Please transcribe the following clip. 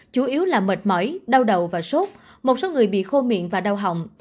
chủ yếu là mệt mỏi đau đầu và sốt một số người bị khô miệng và đau hỏng